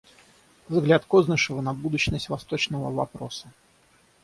Взгляд Кознышева на будущность восточного вопроса.